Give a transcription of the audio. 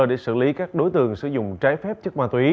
để xử lý các đối tượng sử dụng trái phép chất ma túy